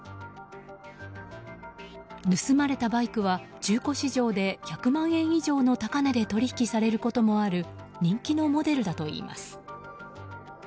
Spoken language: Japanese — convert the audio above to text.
盗まれたバイクは中古市場で１００万円以上の高値で取引されることもある人気のモデルだといいます。